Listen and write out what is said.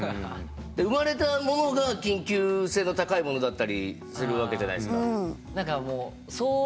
生まれたものが緊急性の高いものだったりするわけじゃないですか。